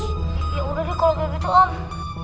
yaudah deh kalo begitu om